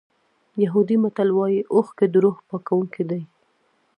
یهودي متل وایي اوښکې د روح پاکوونکي دي.